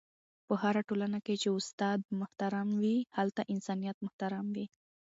په هره ټولنه کي چي استاد محترم وي، هلته انسانیت محترم وي..